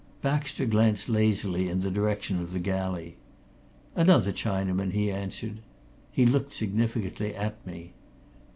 Baxter glanced lazily in the direction of the galley. "Another Chinaman," he answered. He looked significantly at me.